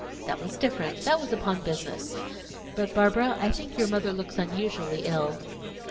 "That was different; that was upon business. But, Barbara, I think your mother looks unusually ill."